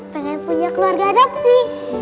pengen punya keluarga adap sih